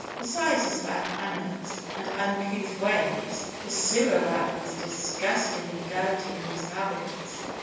Besides his bad manners and uncouth ways, the Sewer Rat was disgustingly dirty in his habits.